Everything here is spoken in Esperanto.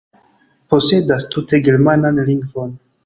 posedas tute germanan lingvon.